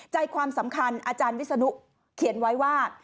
ใจความสำคัญอาจารย์วิศนุเขียนไว้ว่า